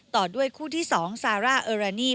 ต่อด้วยคู่ที่๒ซาร่าเออรานี